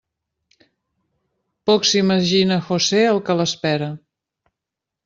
Poc s'imagina José el que l'espera.